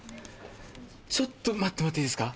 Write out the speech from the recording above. ちょっと待ってもらっていいですか？